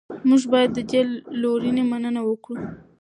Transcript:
موږ باید د دې لورینې مننه وکړو.